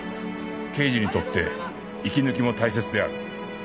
刑事にとって息抜きも大切である